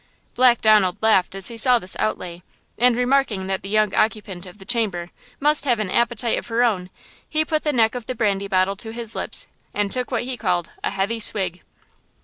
Black Donald laughed as he saw this outlay, and remarking that the young occupant of the chamber must have an appetite of her own, he put the neck of the brandy bottle to his lips and took what he called "a heavy swig."